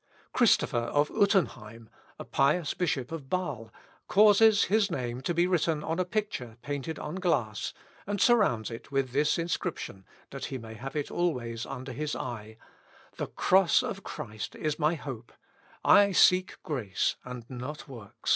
Christopher of Utenheim, a pious bishop of Bâsle, causes his name to be written on a picture painted on glass, and surrounds it with this inscription, that he may have it always under his eye, "The cross of Christ is my hope; I seek grace, and not works."